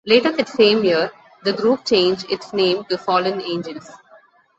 Later that same year, the group changed its name to Fallen Angels.